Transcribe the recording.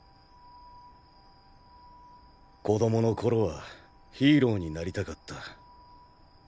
子供の頃はヒーローになりたかった。